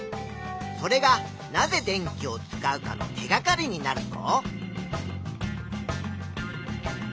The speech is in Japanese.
それがなぜ電気を使うかの手がかりになるぞ。